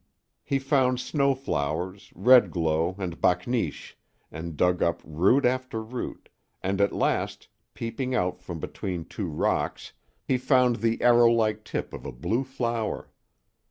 He found snowflowers, redglow, and bakneesh, and dug up root after root, and at last, peeping out from between two rocks, he found the arrowlike tip of a blue flower.